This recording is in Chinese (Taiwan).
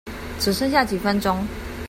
只剩下幾分鐘